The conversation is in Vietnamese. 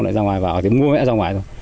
nãy ra ngoài vào thì mua mẹ ra ngoài rồi